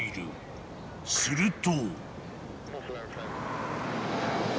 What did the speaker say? ［すると］